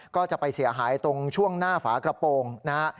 ก็จะไปเสียหายตรงช่วงหน้าฝากระโปรงนะฮะ